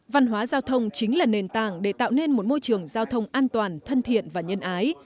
văn hóa giao thông chính là nền tảng để tạo nên một môi trường giao thông an toàn thân thiện và nhân ái